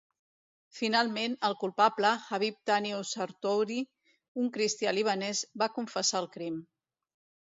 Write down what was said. Finalment, el culpable, Habib Tanious Shartouni, un cristià libanès, va confessar el crim.